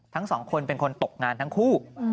ทั้งสองคนเป็นคนตกงานทั้งคู่